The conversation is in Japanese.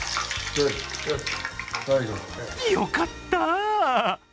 よかった！